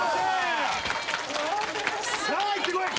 さあいってこい！